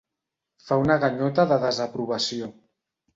Fa una ganyota de desaprovació.